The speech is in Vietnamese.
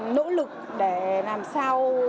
nỗ lực để làm sao